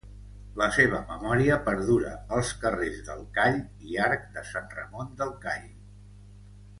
La seva memòria perdura als carrers del Call i Arc de Sant Ramon del Call.